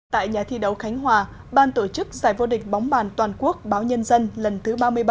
tại nhà thi đấu khánh hòa ban tổ chức giải vô địch bóng bàn toàn quốc báo nhân dân lần thứ ba mươi bảy